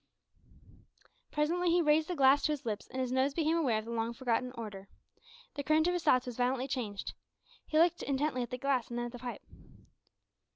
Presently he raised the glass to his lips, and his nose became aware of the long forgotten odour! The current of his thoughts was violently changed. He looked intently at the glass and then at the pipe.